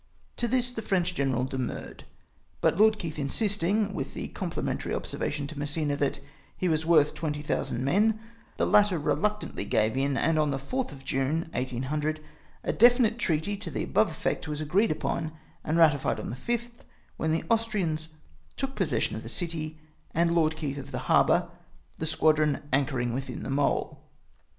To this the French general demurred ; but Lord Keith insisting — with the comphmentary observation to Massena that " he was worth 20,000 men "— the latter reluctantly gave in, and on the 4th of June 1800 a definite treaty to the MORE CAl'TUKES. 97 above effect was agreed upon, and ratified on tlie 5th, when tlie Aiistrians tooli possession of the city, and Lord Keith of tlie harboiu', the squadron anchoring witliin the mole.